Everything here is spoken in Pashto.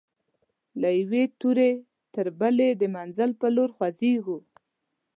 له یوې توري تر بلي د منزل پر لور خوځيږو